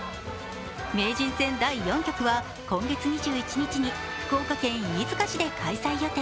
名人戦第４局は今月２１日に福岡県飯塚市で開催予定。